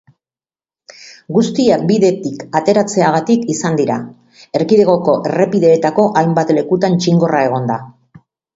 Guztiak bidetik ateratzeagatik izan dira, erkidegoko errepideetako hainbat lekutan txingorra egonda.